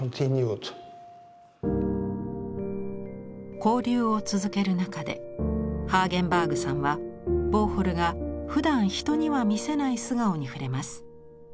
交流を続ける中でハーゲンバーグさんはウォーホルがふだん人には見せない素顔に触れます。